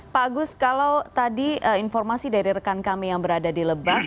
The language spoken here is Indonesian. pak agus kalau tadi informasi dari rekan kami yang berada di lebak